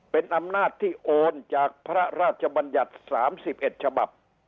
เป็นอำนาจที่โอนจากพระราชบัญญัติ๓๑ฉบับ